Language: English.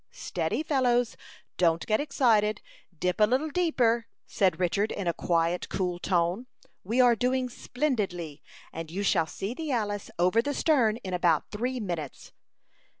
"Steady, fellows; don't get excited. Dip a little deeper," said Richard, in a quiet, cool tone. "We are doing splendidly, and you shall see the Alice over the stern in about three minutes."